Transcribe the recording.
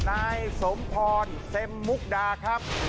นายสมพรเซ็มมุกดาครับ